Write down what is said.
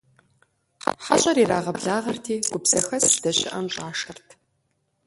ХьэщӀэр ирагъэблагъэрти, гуп зэхэс здэщыӀэм щӀашэрт.